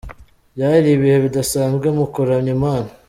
Byari ibihe bidasanzwe mu kuramya Imana,.